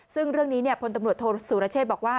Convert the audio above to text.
ซึ่งเรื่องนี้พลตำรวจโทษสุรเชษบอกว่า